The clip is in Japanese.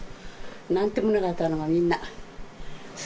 なんともなかったのが、みんなす